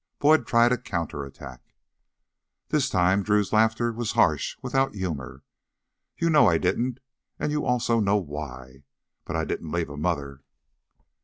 Boyd tried a counterattack. This time Drew's laughter was harsh, without humor. "You know I didn't, and you also know why. But I didn't leave a mother!"